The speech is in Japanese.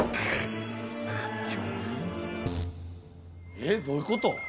えっどういうこと？